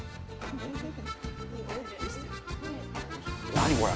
何これ？